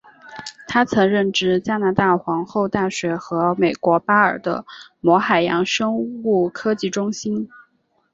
他曾任职加拿大皇后大学和美国巴尔的摩海洋生物科技中心。